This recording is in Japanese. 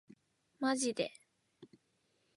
マジで